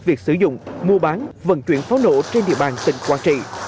việc sử dụng mua bán vận chuyển pháo nổ trên địa bàn tỉnh quảng trị